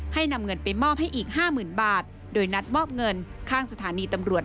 นำเงินไปมอบให้อีกห้าหมื่นบาทโดยนัดมอบเงินข้างสถานีตำรวจ